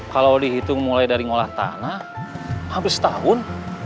kalau dihitung mulai dari ngolah tanah hampir setahun